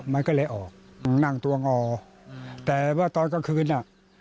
มันก็เลยออกนั่งตัวงอแต่ว่าตอนกลางคืนอ่ะ